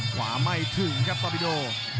ไม่ถึงครับตอบิโด